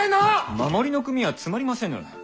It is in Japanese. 守りの組はつまりませぬ。